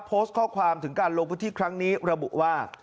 โพสต์ข้อความถึงการลงพื้นที่ครั้งนี้ระบุว่า